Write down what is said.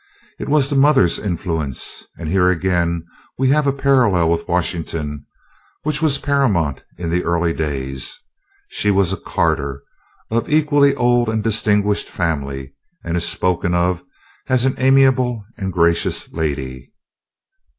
It was the mother's influence and here again we have a parallel with Washington which was paramount in the early days. She was a Carter, of an equally old and distinguished family, and is spoken of as an amiable and gracious lady.